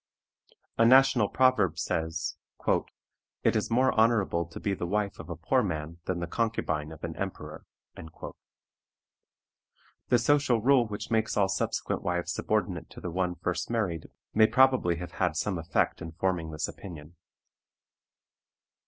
A national proverb says, "It is more honorable to be the wife of a poor man than the concubine of an emperor." The social rule which makes all subsequent wives subordinate to the one first married may probably have had some effect in forming this opinion.